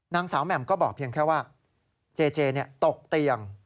แหม่มก็บอกเพียงแค่ว่าเจเจตกเตียง